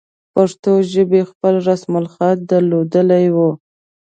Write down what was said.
پښتو ژبې خپل رسم الخط درلودلی وو.